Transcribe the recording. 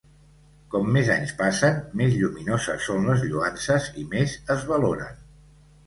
Com més anys passen, més lluminoses són les lloances i més es valoren.